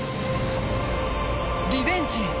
リベンジへ。